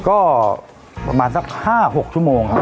ก็ประมาณสัก๕๖ชั่วโมงครับ